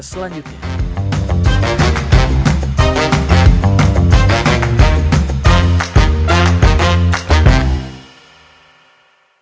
sampai ketemu di podcast